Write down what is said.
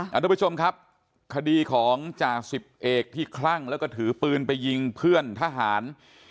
ทุกผู้ชมครับคดีของจ่าสิบเอกที่คลั่งแล้วก็ถือปืนไปยิงเพื่อนทหาร